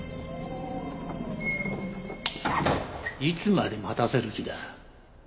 いつまで待たせる気だ。